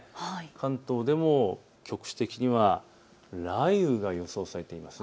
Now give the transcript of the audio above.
関東でも局地的には雷雨が予想されています。